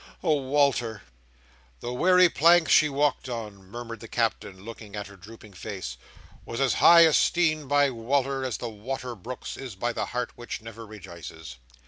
oh, Walter!" "The wery planks she walked on," murmured the Captain, looking at her drooping face, "was as high esteemed by Wal"r, as the water brooks is by the hart which never rejices!